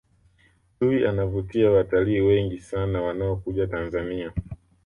chui anavutia watalii wengi sana wanaokuja tanzania